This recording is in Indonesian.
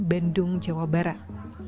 bandung jawa barat